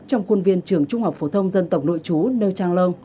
trong khuôn viên trường trung học phổ thông dân tộc nội chú nơ trang lông